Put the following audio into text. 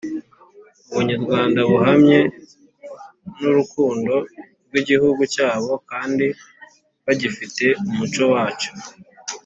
ubunyarwanda buhamye n’urukundo rw’igihugu cyabo kandi bagifite umuco wacyo